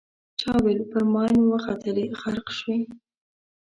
چا ویل پر ماین وختلې غرق شوې.